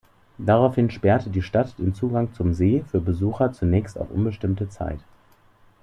Daraufhin sperrte die Stadt den Zugang zum See für Besucher zunächst auf unbestimmte Zeit.